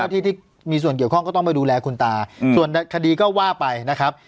ที่มีส่วนเกี่ยวข้องก็ต้องไปดูแลคุณตาส่วนคดีก็ว่าไปนะครับ